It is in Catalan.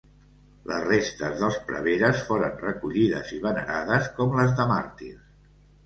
Les restes dels preveres foren recollides i venerades com les de màrtirs.